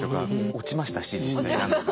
落ちましたし実際何度か。